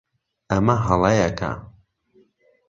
ئەمە هەڵەیەکە.